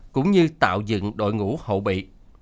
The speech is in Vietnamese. cũng như tạo dựng đội ngũ hậu bị